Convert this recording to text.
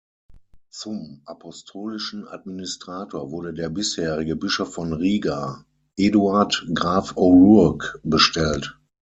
Zum Apostolischen Administrator wurde der bisherige Bischof von Riga, Eduard Graf O’Rourke, bestellt.